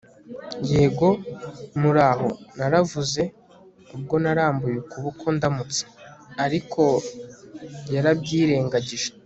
yego. muraho, naravuze, ubwo narambuye ukuboko ndamutsa. ariko yarabyirengagije